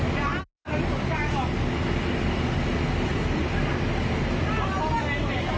อบให้วงส่วนเข้ามา